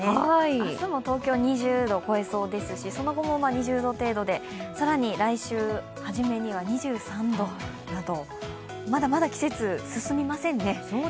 明日も東京は２０度を超えそうですし、その後も２０度程度で、更に来週初めには２３度などまだまだ季節、進みませんね。